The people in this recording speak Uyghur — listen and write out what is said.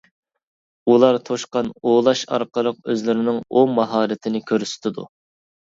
ئۇلار توشقان ئوۋلاش ئارقىلىق ئۆزلىرىنىڭ ئوۋ ماھارىتىنى كۆرسىتىدۇ.